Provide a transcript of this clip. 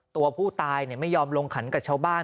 ตัวผู้ตายไม่ยอมลงขันกับชาวบ้าน